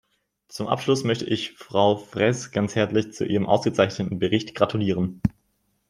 Zum Abschluss möchte ich Frau Fraisse ganz herzlich zu ihrem ausgezeichneten Bericht gratulieren!